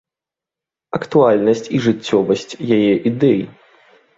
Актуальнасць і жыццёвасць яе ідэй.